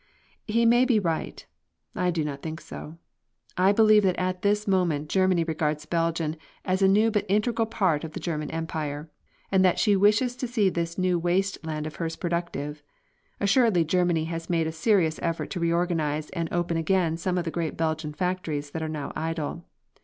He may be right; I do not think so. I believe that at this moment Germany regards Belgium as a new but integral part of the German Empire, and that she wishes to see this new waste land of hers productive. Assuredly Germany has made a serious effort to reorganise and open again some of the great Belgian factories that are now idle.